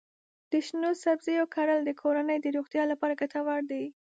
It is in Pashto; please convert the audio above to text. د شنو سبزیو کرل د کورنۍ د روغتیا لپاره ګټور دي.